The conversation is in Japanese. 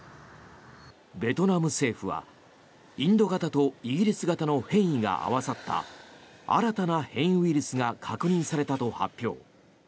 ベトナム政府はインド型とイギリス型の変異が合わさった新たな変異ウイルスが確認されたと発表。